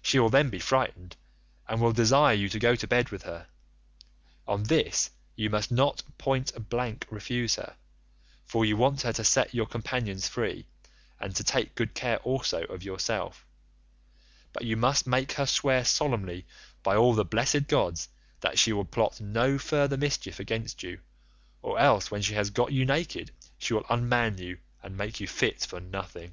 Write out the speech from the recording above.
She will then be frightened, and will desire you to go to bed with her; on this you must not point blank refuse her, for you want her to set your companions free, and to take good care also of yourself, but you must make her swear solemnly by all the blessed gods that she will plot no further mischief against you, or else when she has got you naked she will unman you and make you fit for nothing.